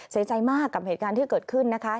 เสียใจมากกับเหตุการณ์ที่เกิดขึ้นนะคะ